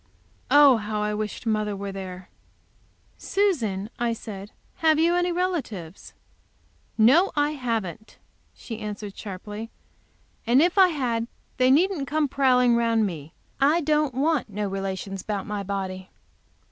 Oh, how I wished mother were there! "Susan," I said, "have you any relatives?" "No, I haven't," she answered sharply. "And if I had they needn't come prowling around me. I don't want no relations about my body."